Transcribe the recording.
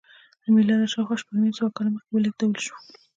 له میلاده شاوخوا شپږ نیم سوه کاله مخکې ولېږدول شوه